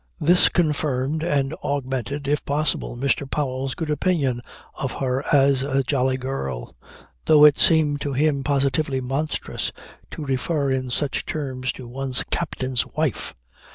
This confirmed and augmented if possible Mr. Powell's good opinion of her as a "jolly girl," though it seemed to him positively monstrous to refer in such terms to one's captain's wife.